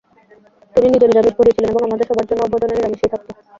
তিনি নিজে নিরামিষভোজী ছিলেন এবং আমাদের সবার জন্যও ভোজনে নিরামিষই থাকত।